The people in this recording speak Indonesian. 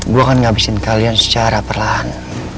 gue akan ngabisin kalian secara perlahan